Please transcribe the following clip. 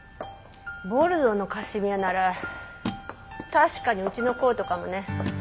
ボルドーのカシミヤなら確かにうちのコートかもね。